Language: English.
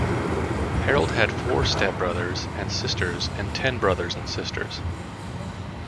Harold had four step-brothers and -sisters and ten brothers and sisters.